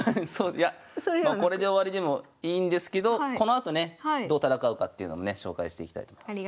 いやもうこれで終わりでもいいんですけどこのあとねどう戦うかっていうのもね紹介していきたいと思います。